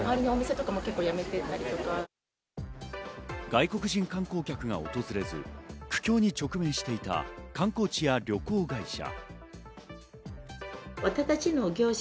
外国人観光客が訪れず、苦境に直面していた観光地や旅行会社。